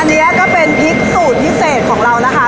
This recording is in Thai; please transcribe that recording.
อันนี้ก็เป็นพริกสูตรพิเศษของเรานะคะ